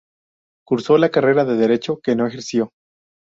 Cursó la carrera de Derecho, que no ejerció.